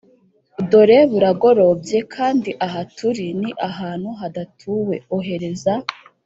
dore buragorobye kandi aha turi ni ahantu hadatuwe Ohereza